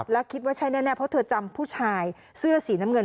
แล้วคิดว่าใช่แน่เพราะเธอจำผู้ชายเสื้อสีน้ำเงิน